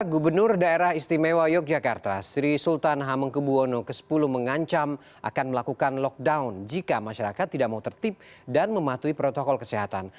gubernur daerah istimewa yogyakarta sri sultan hamengkebuwono x mengancam akan melakukan lockdown jika masyarakat tidak mau tertib dan mematuhi protokol kesehatan